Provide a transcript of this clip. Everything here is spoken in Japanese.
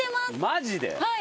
マジで？